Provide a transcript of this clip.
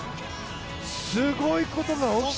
すごいことが起きた。